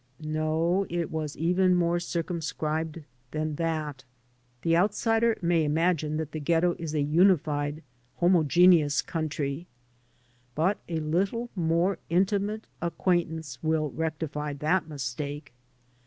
No, it was even more circumscribed than that. The outsider may imagine that the Ghetto is a unified, homogeneous country, but a little more intimate acquaintance will rectify that mistake.